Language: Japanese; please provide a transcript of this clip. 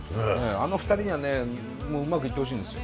あの２人にはねもううまくいってほしいんですよ。